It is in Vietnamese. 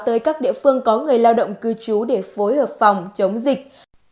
tới các địa phương có người lao động cư trú để phối hợp phòng chống dịch